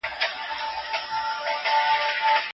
اقتصاد پوهنځۍ له اجازې پرته نه کارول کیږي.